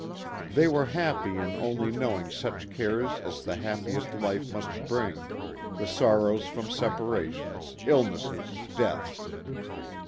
They were happy in only knowing such cares as the happiest life must bring the sor rows from separations, illnesses, deaths.